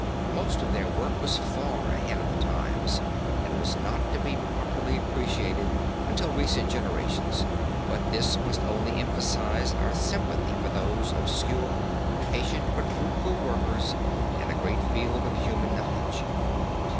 Most of their work was far ahead of the times and was not to be properly appreciated until quite recent generations, but this must only emphasize our sympathy for those obscure, patient but fruitful workers in a great field of human knowledge.